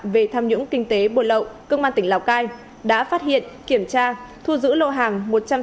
về tham nhũng kinh tế buồn lậu công an tỉnh lào cai đã phát hiện kiểm tra thu giữ lô hàng